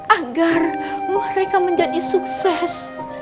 agar mereka menjadi sukses